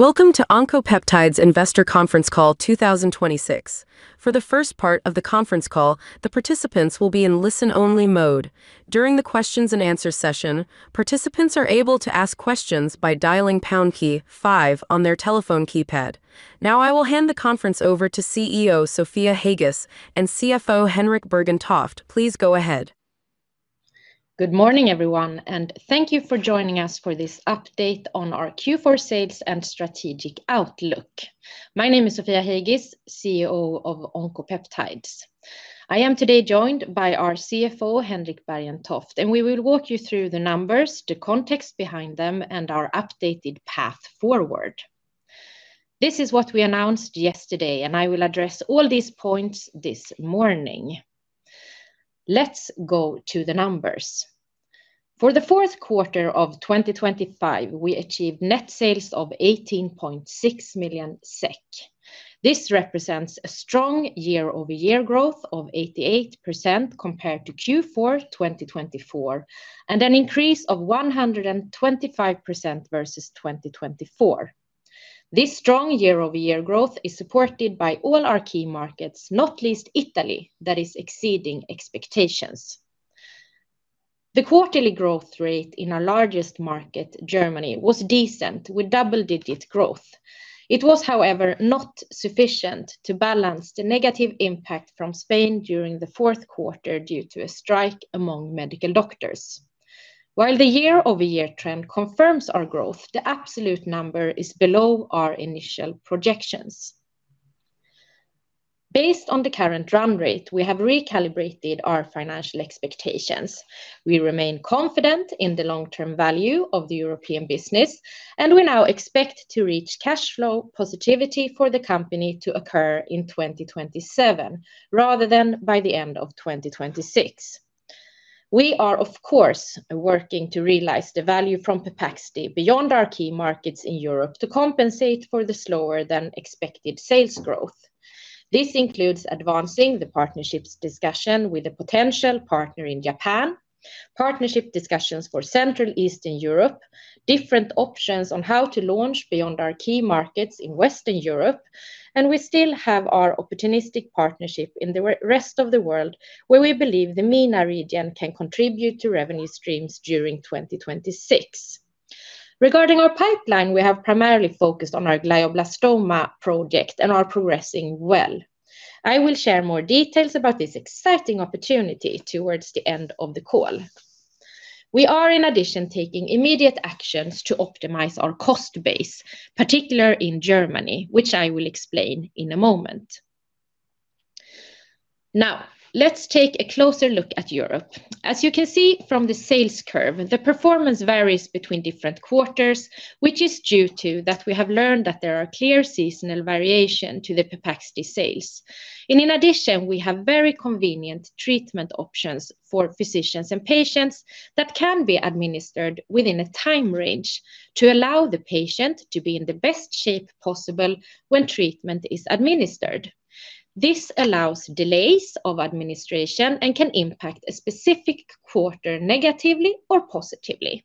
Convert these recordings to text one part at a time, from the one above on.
Welcome to Oncopeptides Investor Conference Call 2026. For the first part of the conference call, the participants will be in listen-only mode. During the questions-and-answers session, participants are able to ask questions by dialing pound key five on their telephone keypad. Now, I will hand the conference over to CEO Sofia Heigis and CFO Henrik Bergentoft. Please go ahead. Good morning, everyone, and thank you for joining us for this update on our Q4 sales and strategic outlook. My name is Sofia Heigis, CEO of Oncopeptides. I am today joined by our CFO, Henrik Bergentoft, and we will walk you through the numbers, the context behind them, and our updated path forward. This is what we announced yesterday, and I will address all these points this morning. Let's go to the numbers. For the fourth quarter of 2025, we achieved net sales of 18.6 million SEK. This represents a strong year-over-year growth of 88% compared to Q4 2024 and an increase of 125% versus 2024. This strong year-over-year growth is supported by all our key markets, not least Italy, that is exceeding expectations. The quarterly growth rate in our largest market, Germany, was decent, with double-digit growth. It was, however, not sufficient to balance the negative impact from Spain during the fourth quarter due to a strike among medical doctors. While the year-over-year trend confirms our growth, the absolute number is below our initial projections. Based on the current run rate, we have recalibrated our financial expectations. We remain confident in the long-term value of the European business, and we now expect to reach cash flow positivity for the company to occur in 2027 rather than by the end of 2026. We are, of course, working to realize the value from Pepaxti beyond our key markets in Europe to compensate for the slower-than-expected sales growth. This includes advancing the partnerships discussion with a potential partner in Japan, partnership discussions for Central and Eastern Europe, different options on how to launch beyond our key markets in Western Europe, and we still have our opportunistic partnership in the rest of the world where we believe the MENA region can contribute to revenue streams during 2026. Regarding our pipeline, we have primarily focused on our glioblastoma project and are progressing well. I will share more details about this exciting opportunity towards the end of the call. We are, in addition, taking immediate actions to optimize our cost base, particularly in Germany, which I will explain in a moment. Now, let's take a closer look at Europe. As you can see from the sales curve, the performance varies between different quarters, which is due to that we have learned that there are clear seasonal variations to the Pepaxti sales. In addition, we have very convenient treatment options for physicians and patients that can be administered within a time range to allow the patient to be in the best shape possible when treatment is administered. This allows delays of administration and can impact a specific quarter negatively or positively.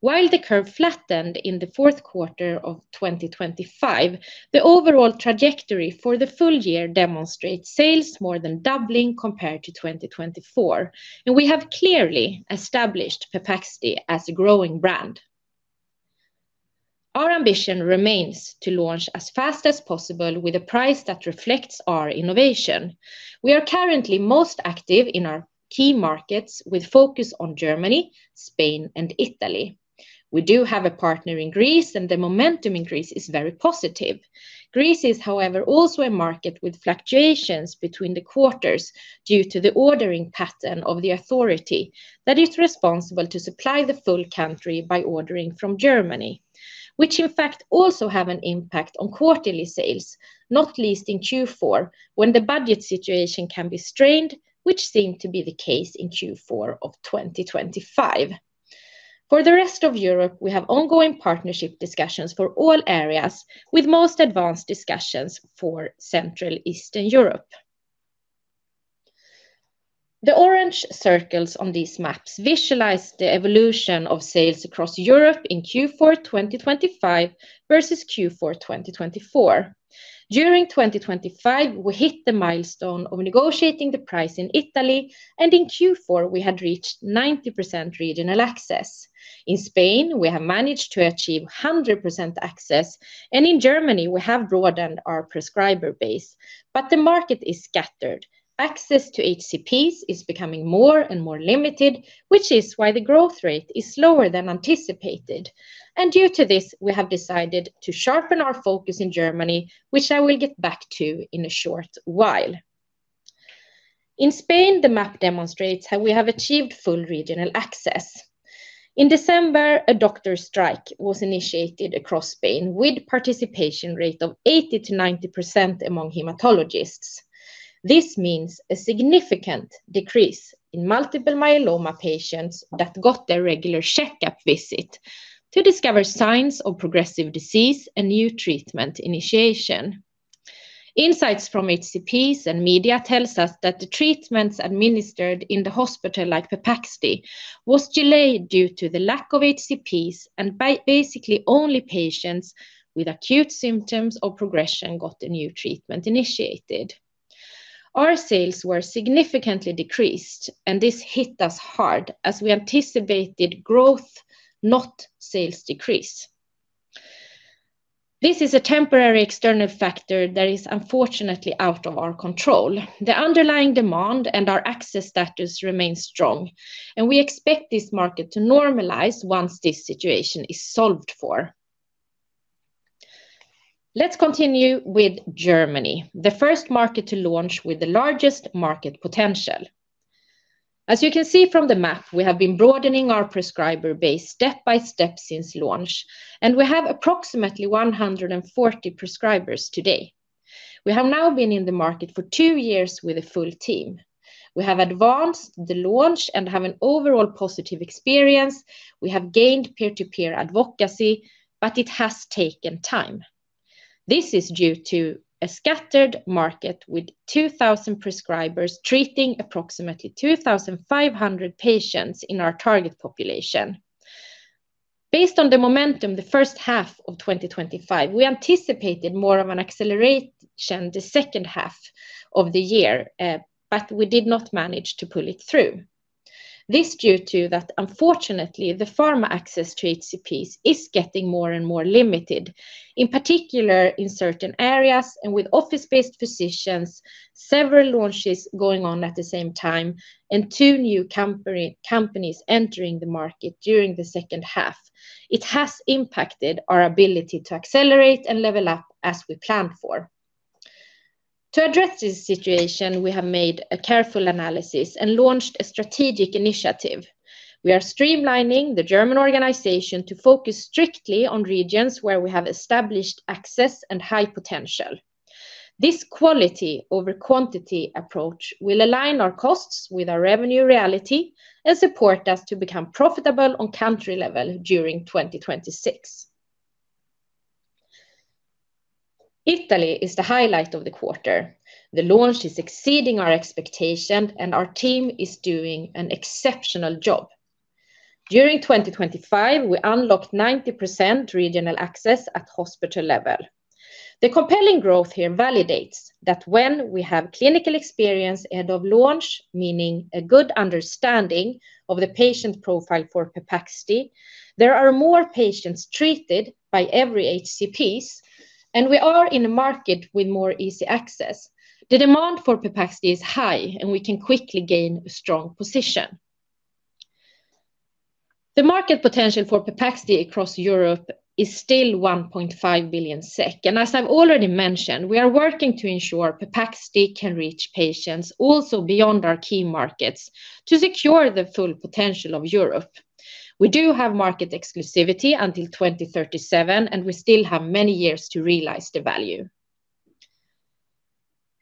While the curve flattened in the fourth quarter of 2025, the overall trajectory for the full year demonstrates sales more than doubling compared to 2024, and we have clearly established Pepaxti as a growing brand. Our ambition remains to launch as fast as possible with a price that reflects our innovation. We are currently most active in our key markets with focus on Germany, Spain, and Italy. We do have a partner in Greece, and the momentum in Greece is very positive. Greece is, however, also a market with fluctuations between the quarters due to the ordering pattern of the authority that is responsible to supply the full country by ordering from Germany, which in fact also has an impact on quarterly sales, not least in Q4 when the budget situation can be strained, which seemed to be the case in Q4 of 2025. For the rest of Europe, we have ongoing partnership discussions for all areas, with most advanced discussions for Central and Eastern Europe. The orange circles on these maps visualize the evolution of sales across Europe in Q4 2025 versus Q4 2024. During 2025, we hit the milestone of negotiating the price in Italy, and in Q4, we had reached 90% regional access. In Spain, we have managed to achieve 100% access, and in Germany, we have broadened our prescriber base, but the market is scattered. Access to HCPs is becoming more and more limited, which is why the growth rate is slower than anticipated, and due to this, we have decided to sharpen our focus in Germany, which I will get back to in a short while. In Spain, the map demonstrates how we have achieved full regional access. In December, a doctor strike was initiated across Spain with a participation rate of 80%-90% among hematologists. This means a significant decrease in multiple myeloma patients that got their regular checkup visit to discover signs of progressive disease and new treatment initiation. Insights from HCPs and media tell us that the treatments administered in the hospital, like Pepaxti, were delayed due to the lack of HCPs, and basically only patients with acute symptoms or progression got a new treatment initiated. Our sales were significantly decreased, and this hit us hard as we anticipated growth, not sales decrease. This is a temporary external factor that is unfortunately out of our control. The underlying demand and our access status remain strong, and we expect this market to normalize once this situation is solved for. Let's continue with Germany, the first market to launch with the largest market potential. As you can see from the map, we have been broadening our prescriber base step by step since launch, and we have approximately 140 prescribers today. We have now been in the market for two years with a full team. We have advanced the launch and have an overall positive experience. We have gained peer-to-peer advocacy, but it has taken time. This is due to a scattered market with 2,000 prescribers treating approximately 2,500 patients in our target population. Based on the momentum the first half of 2025, we anticipated more of an acceleration the second half of the year, but we did not manage to pull it through. This is due to that, unfortunately, the pharma access to HCPs is getting more and more limited, in particular in certain areas and with office-based physicians, several launches going on at the same time, and two new companies entering the market during the second half. It has impacted our ability to accelerate and level up as we planned for. To address this situation, we have made a careful analysis and launched a strategic initiative. We are streamlining the German organization to focus strictly on regions where we have established access and high potential. This quality-over-quantity approach will align our costs with our revenue reality and support us to become profitable on country level during 2026. Italy is the highlight of the quarter. The launch is exceeding our expectation, and our team is doing an exceptional job. During 2025, we unlocked 90% regional access at hospital level. The compelling growth here validates that when we have clinical experience ahead of launch, meaning a good understanding of the patient profile for Pepaxti, there are more patients treated by every HCPs, and we are in a market with more easy access. The demand for Pepaxti is high, and we can quickly gain a strong position. The market potential for Pepaxti across Europe is still 1.5 billion SEK, and as I've already mentioned, we are working to ensure Pepaxti can reach patients also beyond our key markets to secure the full potential of Europe. We do have market exclusivity until 2037, and we still have many years to realize the value.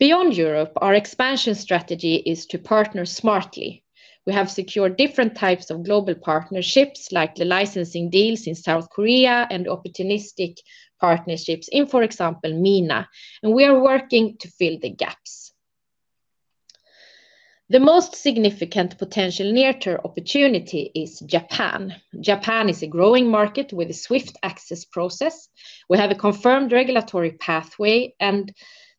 Beyond Europe, our expansion strategy is to partner smartly. We have secured different types of global partnerships, like the licensing deals in South Korea and opportunistic partnerships in, for example, MENA, and we are working to fill the gaps. The most significant potential near-term opportunity is Japan. Japan is a growing market with a swift access process. We have a confirmed regulatory pathway, and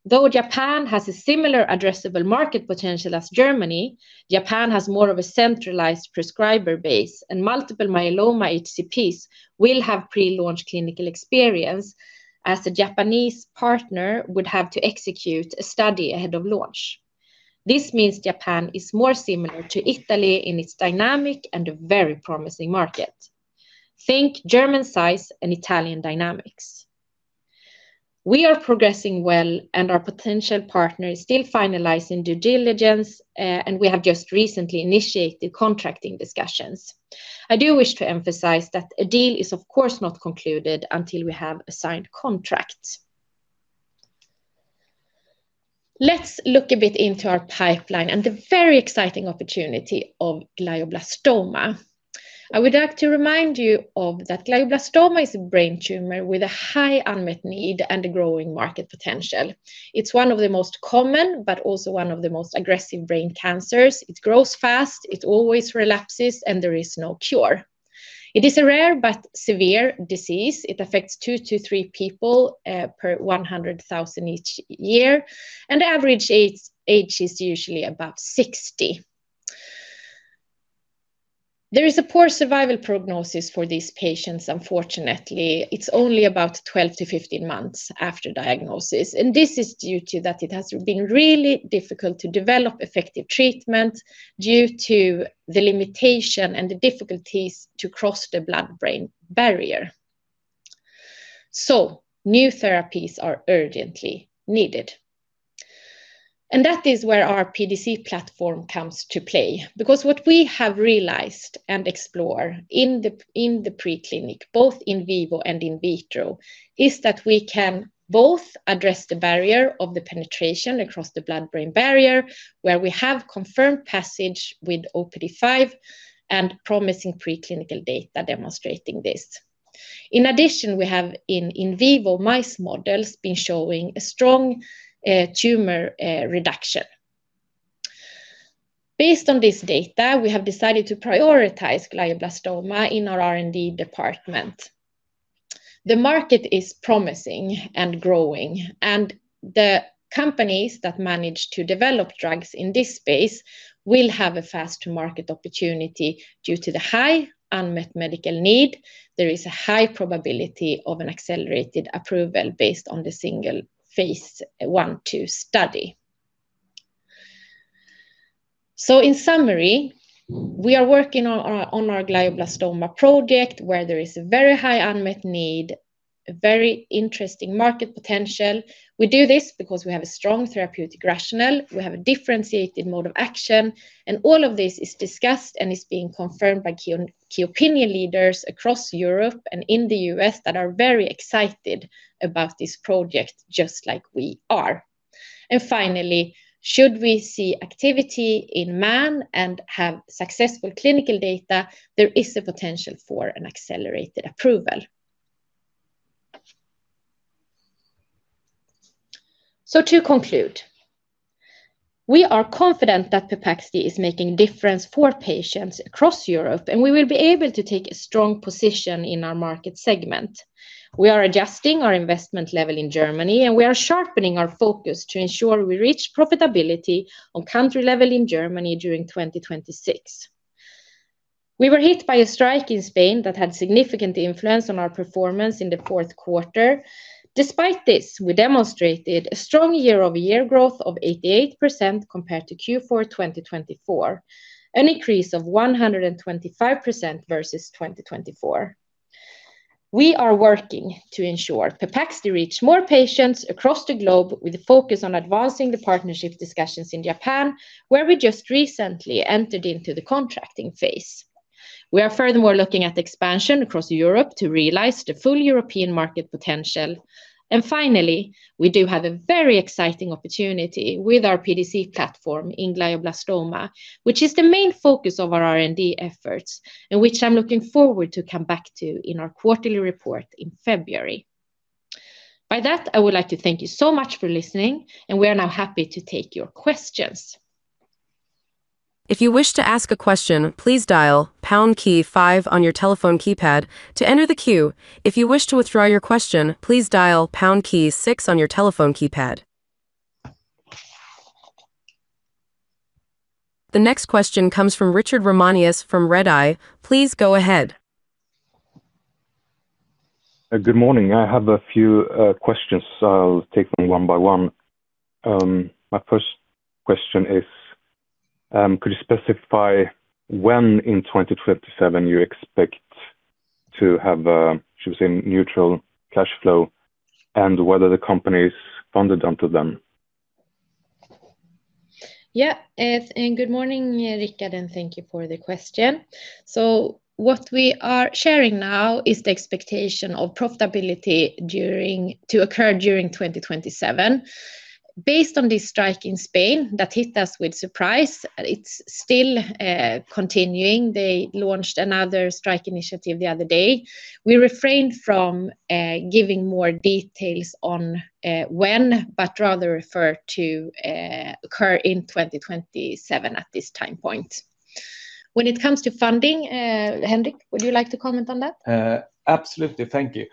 though Japan has a similar addressable market potential as Germany, Japan has more of a centralized prescriber base, and multiple myeloma HCPs will have pre-launch clinical experience as a Japanese partner would have to execute a study ahead of launch. This means Japan is more similar to Italy in its dynamic and a very promising market. Think German size and Italian dynamics. We are progressing well, and our potential partner is still finalizing due diligence, and we have just recently initiated contracting discussions. I do wish to emphasize that a deal is, of course, not concluded until we have a signed contract. Let's look a bit into our pipeline and the very exciting opportunity of glioblastoma. I would like to remind you that glioblastoma is a brain tumor with a high unmet need and a growing market potential. It's one of the most common, but also one of the most aggressive brain cancers. It grows fast, it always relapses, and there is no cure. It is a rare but severe disease. It affects two to three people per 100,000 each year, and the average age is usually about 60. There is a poor survival prognosis for these patients, unfortunately. It's only about 12-15 months after diagnosis, and this is due to that it has been really difficult to develop effective treatment due to the limitation and the difficulties to cross the blood-brain barrier, so new therapies are urgently needed, and that is where our PDC platform comes to play because what we have realized and explored in the preclinical, both in vivo and in vitro, is that we can both address the barrier of the penetration across the blood-brain barrier where we have confirmed passage with OPD5 and promising preclinical data demonstrating this. In addition, we have in vivo mice models been showing a strong tumor reduction. Based on this data, we have decided to prioritize glioblastoma in our R&D department. The market is promising and growing, and the companies that manage to develop drugs in this space will have a fast market opportunity due to the high unmet medical need. There is a high probability of an accelerated approval based on the single-phase I-II study. So in summary, we are working on our glioblastoma project where there is a very high unmet need, a very interesting market potential. We do this because we have a strong therapeutic rationale, we have a differentiated mode of action, and all of this is discussed and is being confirmed by key opinion leaders across Europe and in the U.S. that are very excited about this project just like we are. And finally, should we see activity in man and have successful clinical data, there is a potential for an accelerated approval. So to conclude, we are confident that Pepaxti is making a difference for patients across Europe, and we will be able to take a strong position in our market segment. We are adjusting our investment level in Germany, and we are sharpening our focus to ensure we reach profitability on country level in Germany during 2026. We were hit by a strike in Spain that had significant influence on our performance in the fourth quarter. Despite this, we demonstrated a strong year-over-year growth of 88% compared to Q4 2024, an increase of 125% versus 2024. We are working to ensure Pepaxti reaches more patients across the globe with a focus on advancing the partnership discussions in Japan, where we just recently entered into the contracting phase. We are furthermore looking at expansion across Europe to realize the full European market potential. And finally, we do have a very exciting opportunity with our PDC platform in glioblastoma, which is the main focus of our R&D efforts and which I'm looking forward to come back to in our quarterly report in February. By that, I would like to thank you so much for listening, and we are now happy to take your questions. If you wish to ask a question, please dial pound key five on your telephone keypad to enter the queue. If you wish to withdraw your question, please dial pound key six on your telephone keypad. The next question comes from Richard Ramanius from Redeye. Please go ahead. Good morning. I have a few questions. I'll take them one by one. My first question is, could you specify when in 2027 you expect to have a, should we say, neutral cash flow and whether the company is funded until then? Yeah, good morning, Richard, and thank you for the question. So what we are sharing now is the expectation of profitability to occur during 2027. Based on this strike in Spain that hit us with surprise, it's still continuing. They launched another strike initiative the other day. We refrained from giving more details on when, but rather refer to occur in 2027 at this time point. When it comes to funding, Henrik, would you like to comment on that? Absolutely. Thank you.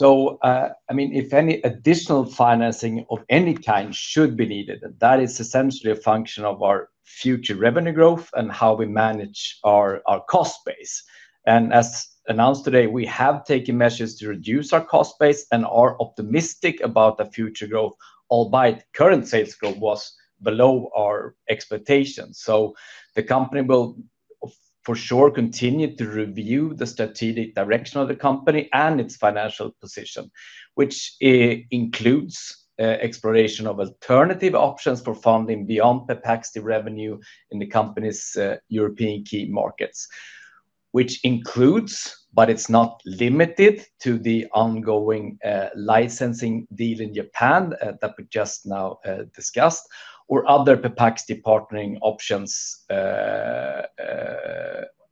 So I mean, if any additional financing of any kind should be needed, that is essentially a function of our future revenue growth and how we manage our cost base. As announced today, we have taken measures to reduce our cost base and are optimistic about the future growth, albeit current sales growth was below our expectations. The company will for sure continue to review the strategic direction of the company and its financial position, which includes exploration of alternative options for funding beyond Pepaxti revenue in the company's European key markets, which includes, but it's not limited to the ongoing licensing deal in Japan that we just now discussed, or other Pepaxti partnering options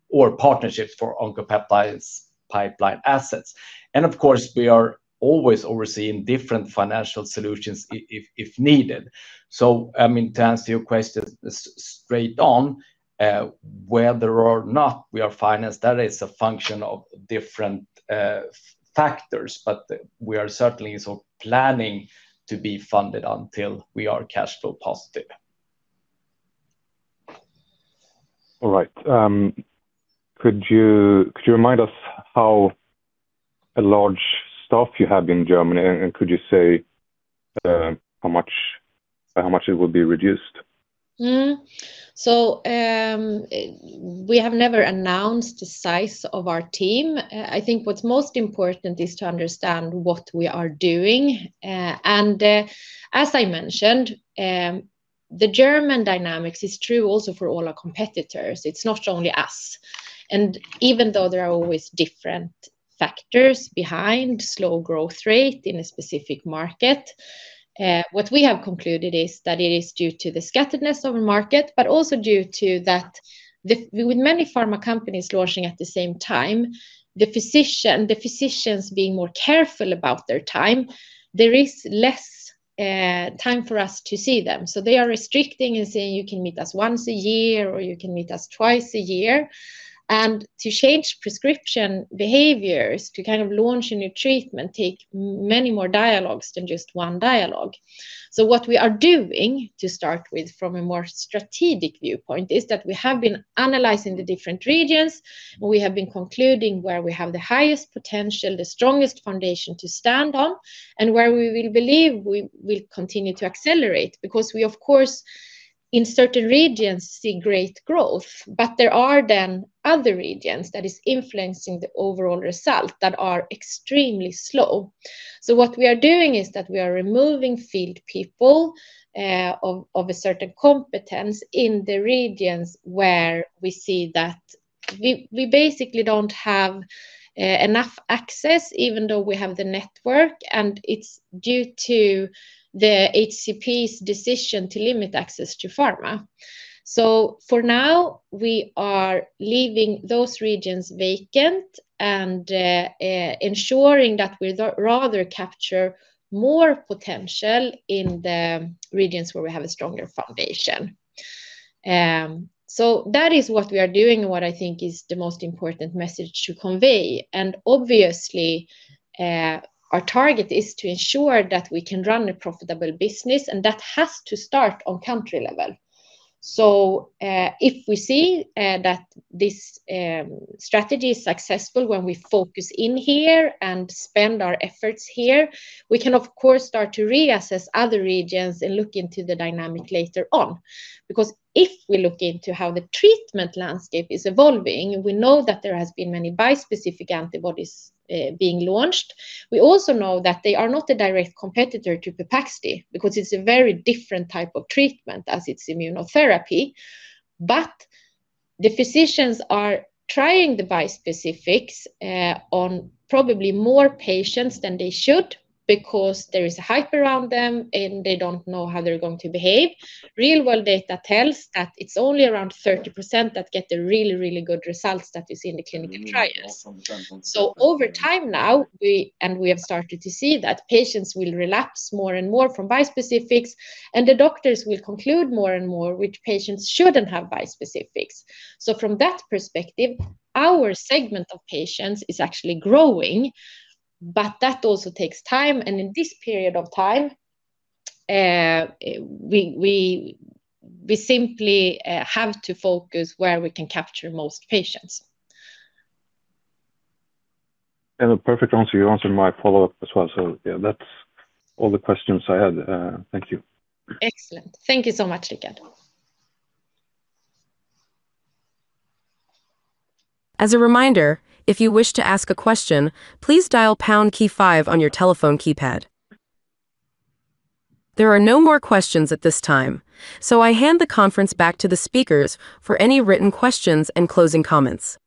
or partnerships for Oncopeptides pipeline assets. Of course, we are always overseeing different financial solutions if needed. I mean, to answer your question straight on, whether or not we are financed, that is a function of different factors, but we are certainly planning to be funded until we are cash flow positive. All right. Could you remind us how large staff you have in Germany, and could you say how much it will be reduced? So we have never announced the size of our team. I think what's most important is to understand what we are doing. And as I mentioned, the German dynamics is true also for all our competitors. It's not only us. And even though there are always different factors behind slow growth rate in a specific market, what we have concluded is that it is due to the scatteredness of the market, but also due to that with many pharma companies launching at the same time, the physicians being more careful about their time, there is less time for us to see them. So they are restricting and saying, "You can meet us once a year or you can meet us twice a year." And to change prescription behaviors to kind of launch a new treatment takes many more dialogues than just one dialogue. So what we are doing to start with from a more strategic viewpoint is that we have been analyzing the different regions, and we have been concluding where we have the highest potential, the strongest foundation to stand on, and where we will believe we will continue to accelerate because we, of course, in certain regions see great growth, but there are then other regions that are influencing the overall result that are extremely slow. What we are doing is that we are removing field people of a certain competence in the regions where we see that we basically don't have enough access, even though we have the network, and it's due to the HCP's decision to limit access to pharma. For now, we are leaving those regions vacant and ensuring that we rather capture more potential in the regions where we have a stronger foundation. That is what we are doing and what I think is the most important message to convey. Obviously, our target is to ensure that we can run a profitable business, and that has to start on country level. If we see that this strategy is successful when we focus in here and spend our efforts here, we can, of course, start to reassess other regions and look into the dynamic later on. Because if we look into how the treatment landscape is evolving, we know that there have been many bispecific antibodies being launched. We also know that they are not a direct competitor to Pepaxti because it's a very different type of treatment as it's immunotherapy. But the physicians are trying the bispecifics on probably more patients than they should because there is a hype around them and they don't know how they're going to behave. Real-world data tells that it's only around 30% that get the really, really good results that you see in the clinical trials. So over time now, and we have started to see that patients will relapse more and more from bispecifics, and the doctors will conclude more and more which patients shouldn't have bispecifics. So from that perspective, our segment of patients is actually growing, but that also takes time. And in this period of time, we simply have to focus where we can capture most patients. And a perfect answer. You answered my follow-up as well. So yeah, that's all the questions I had. Thank you. Excellent. Thank you so much, Richard. As a reminder, if you wish to ask a question, please dial pound key five on your telephone keypad. There are no more questions at this time, so I hand the conference back to the speakers for any written questions and closing comments.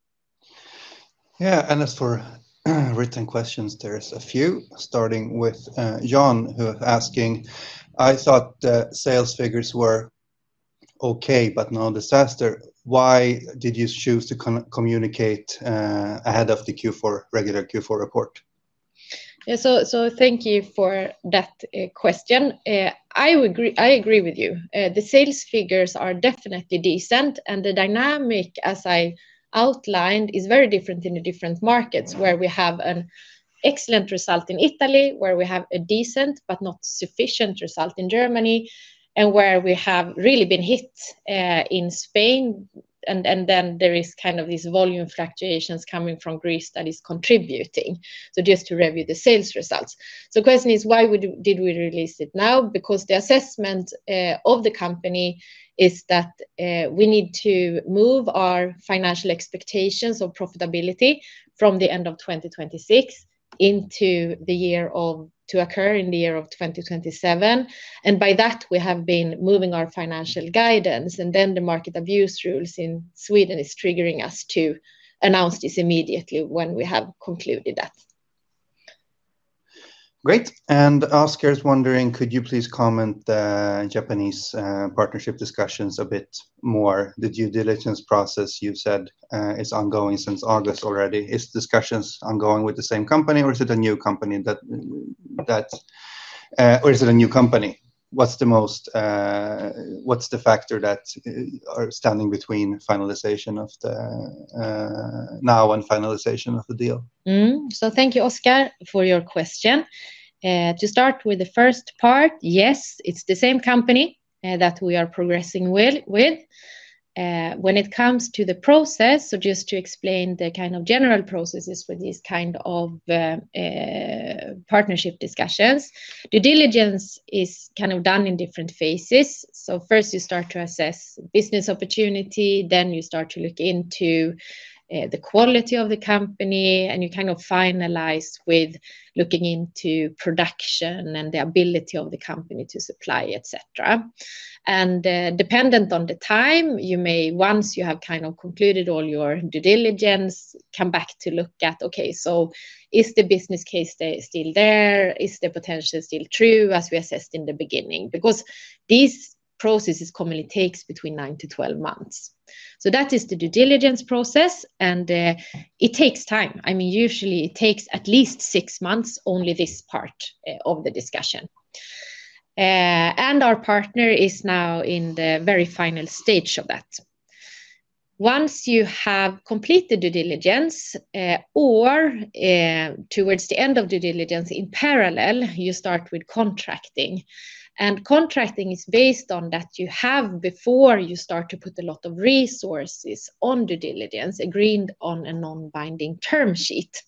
Yeah, and as for written questions, there's a few, starting with John who is asking, "I thought the sales figures were okay, but now disaster. Why did you choose to communicate ahead of the regular Q4 report?" Yeah, so thank you for that question. I agree with you. The sales figures are definitely decent, and the dynamic, as I outlined, is very different in the different markets where we have an excellent result in Italy, where we have a decent but not sufficient result in Germany, and where we have really been hit in Spain. And then there is kind of these volume fluctuations coming from Greece that is contributing. So just to review the sales results. So the question is, why did we release it now? Because the assessment of the company is that we need to move our financial expectations of profitability from the end of 2026 into the year of to occur in the year of 2027. And by that, we have been moving our financial guidance, and then the market abuse rules in Sweden are triggering us to announce this immediately when we have concluded that. Great. Oscar is wondering, could you please comment on Japanese partnership discussions a bit more? The due diligence process, you said, is ongoing since August already. Is discussions ongoing with the same company, or is it a new company? What's the factor that are standing between finalization now and finalization of the deal? Thank you, Oscar, for your question. To start with the first part, yes, it's the same company that we are progressing with. When it comes to the process, so just to explain the kind of general processes for these kind of partnership discussions, due diligence is kind of done in different phases. So first, you start to assess business opportunity, then you start to look into the quality of the company, and you kind of finalize with looking into production and the ability of the company to supply, etc. And dependent on the time, you may, once you have kind of concluded all your due diligence, come back to look at, okay, so is the business case still there? Is the potential still true as we assessed in the beginning? Because these processes commonly take between 9-12 months. So that is the due diligence process, and it takes time. I mean, usually, it takes at least six months, only this part of the discussion. And our partner is now in the very final stage of that. Once you have completed due diligence or towards the end of due diligence in parallel, you start with contracting. Contracting is based on that you have before you start to put a lot of resources on due diligence, agreed on a non-binding term sheet.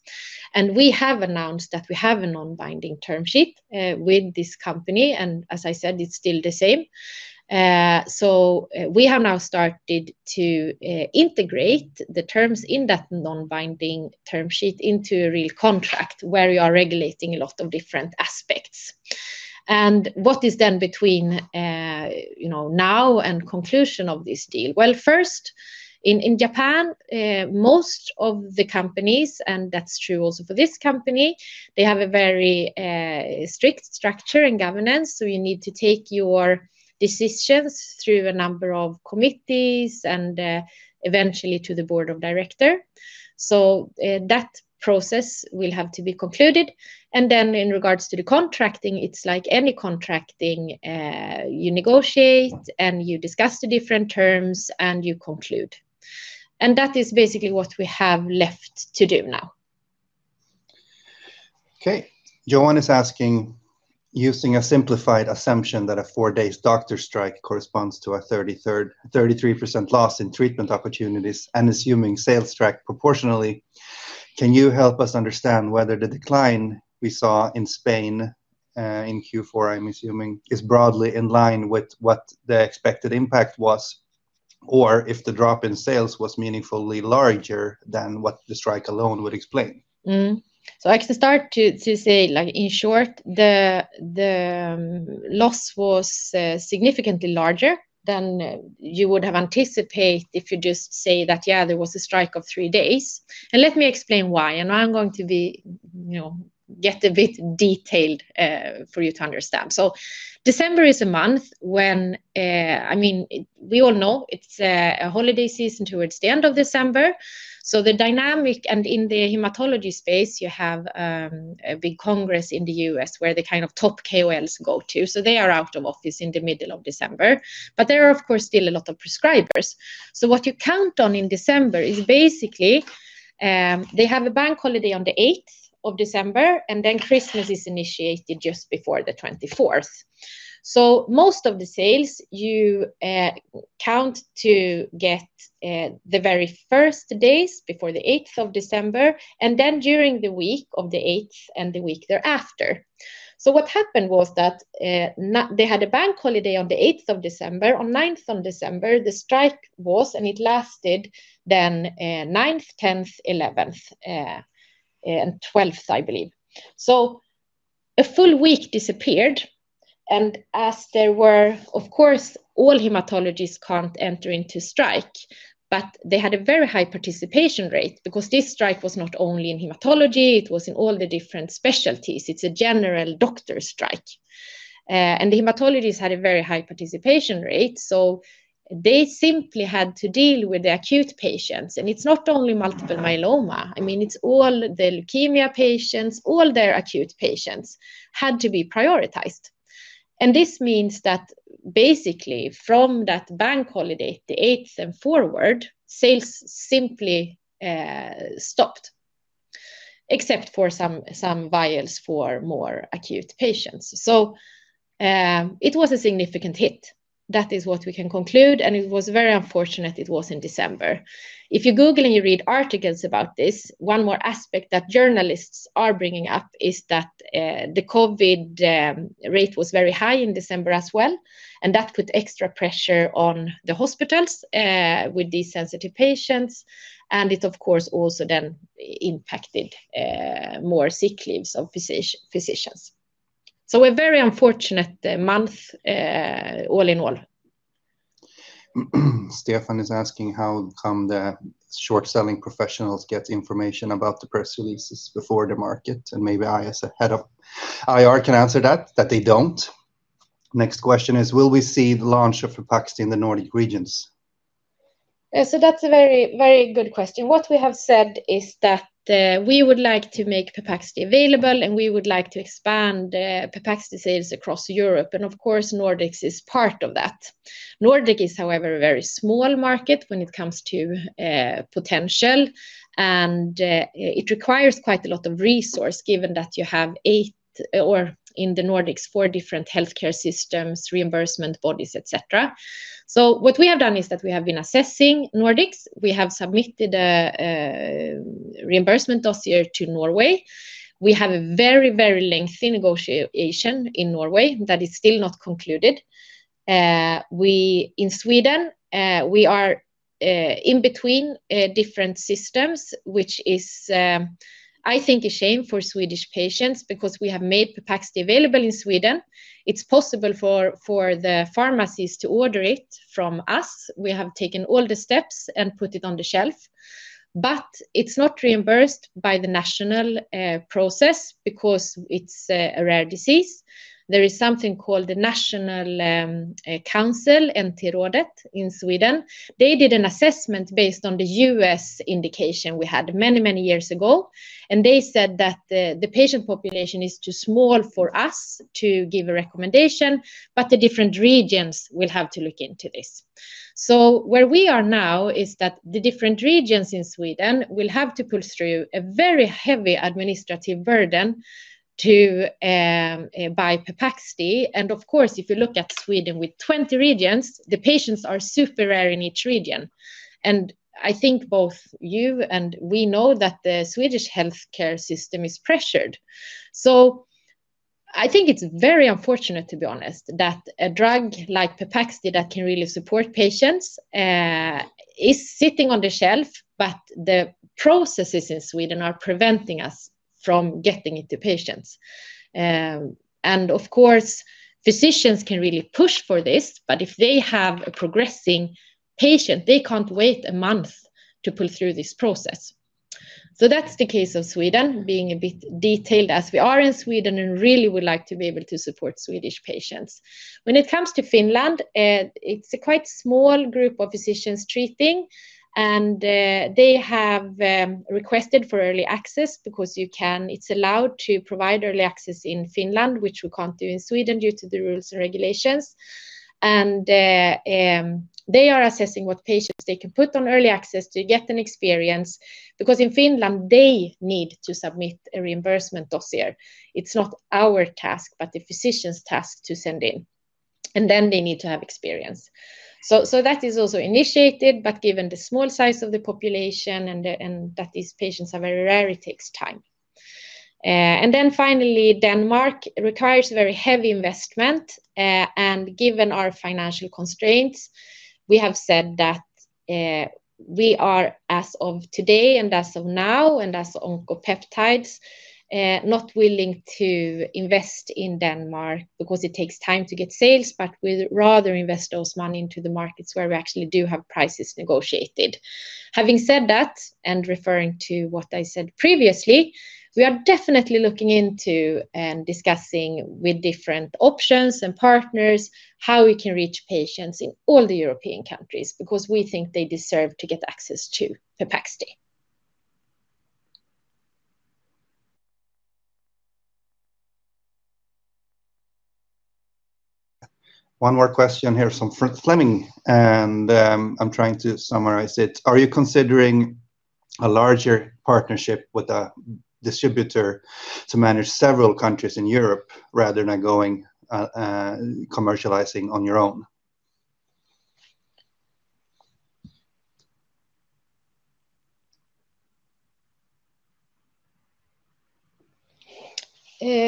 We have announced that we have a non-binding term sheet with this company. As I said, it's still the same. We have now started to integrate the terms in that non-binding term sheet into a real contract where you are regulating a lot of different aspects. What is then between now and conclusion of this deal? First, in Japan, most of the companies, and that's true also for this company, they have a very strict structure and governance. You need to take your decisions through a number of committees and eventually to the board of directors. That process will have to be concluded. Then in regards to the contracting, it's like any contracting. You negotiate, and you discuss the different terms, and you conclude, and that is basically what we have left to do now. Okay. Joan is asking, using a simplified assumption that a four-day doctor strike corresponds to a 33% loss in treatment opportunities and assuming sales track proportionally, can you help us understand whether the decline we saw in Spain in Q4, I'm assuming, is broadly in line with what the expected impact was, or if the drop in sales was meaningfully larger than what the strike alone would explain? So, I can start to say, in short, the loss was significantly larger than you would have anticipated if you just say that, yeah, there was a strike of three days, and let me explain why, and I'm going to get a bit detailed for you to understand. So December is a month when, I mean, we all know it's a holiday season towards the end of December. So the dynamic, and in the hematology space, you have a big congress in the U.S. where the kind of top KOLs go to. So they are out of office in the middle of December. But there are, of course, still a lot of prescribers. So what you count on in December is basically they have a bank holiday on the 8th of December, and then Christmas is initiated just before the 24th. So most of the sales, you count to get the very first days before the 8th of December, and then during the week of the 8th and the week thereafter. So what happened was that they had a bank holiday on the 8th of December. On 9th of December, the strike was, and it lasted then 9th, 10th, 11th, and 12th, I believe, so a full week disappeared. And as there were, of course, all hematologists can't enter into strike, but they had a very high participation rate because this strike was not only in hematology, it was in all the different specialties. It's a general doctor strike, and the hematologists had a very high participation rate, so they simply had to deal with the acute patients. And it's not only multiple myeloma, I mean, it's all the leukemia patients. All their acute patients had to be prioritized, and this means that basically from that bank holiday, the 8th and forward, sales simply stopped, except for some vials for more acute patients, so it was a significant hit. That is what we can conclude, and it was very unfortunate it was in December. If you google and you read articles about this, one more aspect that journalists are bringing up is that the COVID rate was very high in December as well. And that put extra pressure on the hospitals with these sensitive patients. And it, of course, also then impacted more sick leaves of physicians. So a very unfortunate month all in all. Stefan is asking how come the short-selling professionals get information about the press releases before the market. And maybe I, as a head of IR, can answer that, that they don't. Next question is, will we see the launch of Pepaxti in the Nordic regions? So that's a very, very good question. What we have said is that we would like to make Pepaxti available, and we would like to expand Pepaxti sales across Europe. And of course, Nordics is part of that. Nordic is, however, a very small market when it comes to potential, and it requires quite a lot of resources given that you have eight or in the Nordics, four different healthcare systems, reimbursement bodies, etc. So what we have done is that we have been assessing Nordics. We have submitted a reimbursement dossier to Norway. We have a very, very lengthy negotiation in Norway that is still not concluded. In Sweden, we are in between different systems, which is, I think, a shame for Swedish patients because we have made Pepaxti available in Sweden. It's possible for the pharmacies to order it from us. We have taken all the steps and put it on the shelf. But it's not reimbursed by the national process because it's a rare disease. There is something called the National Council in Sweden. They did an assessment based on the U.S. indication we had many, many years ago, and they said that the patient population is too small for us to give a recommendation, but the different regions will have to look into this, so where we are now is that the different regions in Sweden will have to pull through a very heavy administrative burden to buy Pepaxti, and of course, if you look at Sweden with 20 regions, the patients are super rare in each region, and I think both you and we know that the Swedish healthcare system is pressured, so I think it's very unfortunate, to be honest, that a drug like Pepaxti that can really support patients is sitting on the shelf, but the processes in Sweden are preventing us from getting into patients. And of course, physicians can really push for this, but if they have a progressing patient, they can't wait a month to pull through this process. So that's the case of Sweden, being a bit detailed as we are in Sweden and really would like to be able to support Swedish patients. When it comes to Finland, it's a quite small group of physicians treating, and they have requested for early access because you can, it's allowed to provide early access in Finland, which we can't do in Sweden due to the rules and regulations. And they are assessing what patients they can put on early access to get an experience because in Finland, they need to submit a reimbursement dossier. It's not our task, but the physician's task to send in. And then they need to have experience. So that is also initiated, but given the small size of the population and that these patients are very rare, it takes time. And then finally, Denmark requires very heavy investment. And given our financial constraints, we have said that we are, as of today and as of now and as of Oncopeptides, not willing to invest in Denmark because it takes time to get sales, but we'd rather invest those money into the markets where we actually do have prices negotiated. Having said that, and referring to what I said previously, we are definitely looking into and discussing with different options and partners how we can reach patients in all the European countries because we think they deserve to get access to Pepaxti. One more question here from Fleming, and I'm trying to summarize it. Are you considering a larger partnership with a distributor to manage several countries in Europe rather than going commercializing on your own?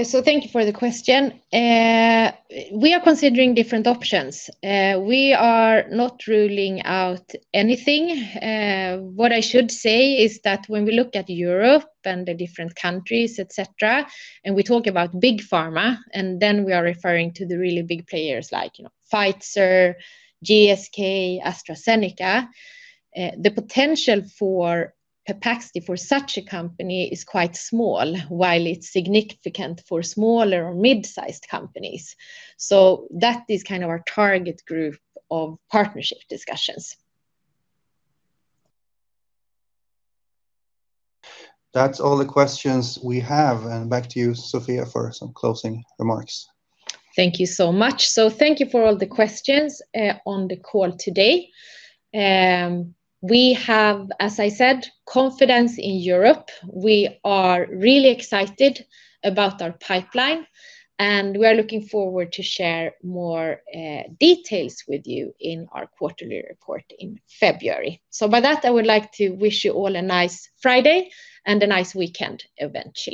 So thank you for the question. We are considering different options. We are not ruling out anything. What I should say is that when we look at Europe and the different countries, etc., and we talk about big pharma, and then we are referring to the really big players like Pfizer, GSK, AstraZeneca, the potential for Pepaxti for such a company is quite small, while it's significant for smaller or mid-sized companies. So that is kind of our target group of partnership discussions. That's all the questions we have. And back to you, Sofia, for some closing remarks. Thank you so much. So thank you for all the questions on the call today. We have, as I said, confidence in Europe. We are really excited about our pipeline, and we are looking forward to share more details with you in our quarterly report in February, so by that, I would like to wish you all a nice Friday and a nice weekend eventually.